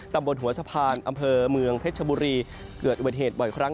ตำบลหัวสะพานอำเภอเมืองเพชรชบุรีเกิดอุบัติเหตุบ่อยครั้ง